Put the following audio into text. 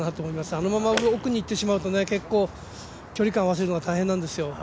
あのまま奥に行ってしまうと結構距離感を合わせるのが大変なんですよ。